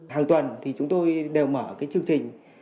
hàng tuần thì chúng tôi đều mở cái chương trình